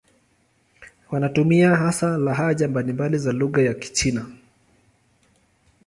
Wanatumia hasa lahaja mbalimbali za lugha ya Kichina.